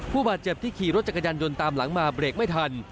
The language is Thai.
ผู้บาดเจ็บที่ขี่รถจักรยานยนต์ตามหลังมาเบรกไม่ทัน